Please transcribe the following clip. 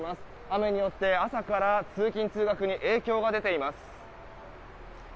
雨によって朝から通勤・通学に影響が出ています。